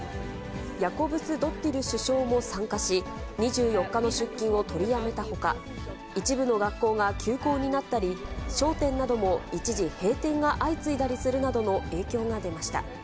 ヤコブスドッティル首相も参加し、２４日の出勤を取りやめたほか、一部の学校が休校になったり、商店なども一時閉店が相次いだりするなどの影響が出ました。